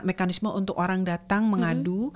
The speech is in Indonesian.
mekanisme untuk orang datang mengadu